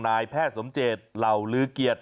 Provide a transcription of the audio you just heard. นายแพทย์สมเจตเหล่าลื้อเกียรติ